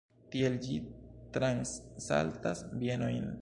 Tiel ĝi transsaltas bienojn.